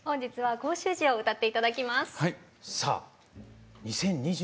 はい。